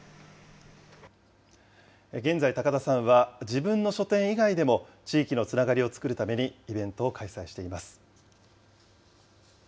現在、高田さんは、自分の書店以外でも、地域のつながりを作るためにイベントを開催しています。